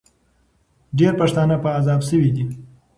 ډېر پښتانه په عذاب سوي دي.